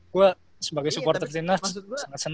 gue sebagai supporter timnas sangat senang